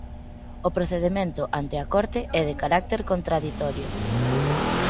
O procedemento ante a Corte é de carácter contraditorio.